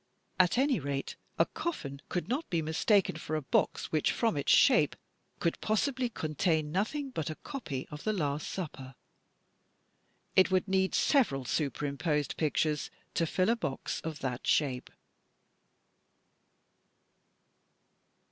At any rate, a coffin could not be mistaken for a box, "which from its shape, could possibly contain nothing but a copy of "The Last Supper." It would need several superimposed pictures to fill a box of that shape.